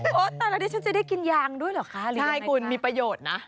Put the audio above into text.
ตอนนั้นดิฉันจะได้กินยางด้วยเหรอคะหรือใช่คุณมีประโยชน์นะ